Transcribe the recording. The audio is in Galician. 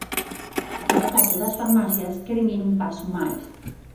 No caso das farmacias queren ir un paso máis.